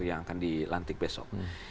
yang akan dilantik besok